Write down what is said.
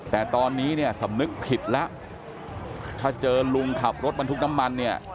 ถ้าเจอลุงขับรถบันทุกข์น้ำมัน